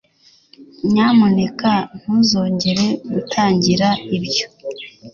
nyamuneka ntuzongere gutangira ibyo